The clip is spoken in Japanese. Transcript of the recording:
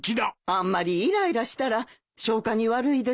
あんまりイライラしたら消化に悪いですよ。